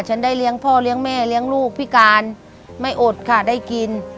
ฉันได้เลี้ยงพ่อเลี้ยงแม่เลี้ยงลูกพิการไม่อดค่ะได้กิน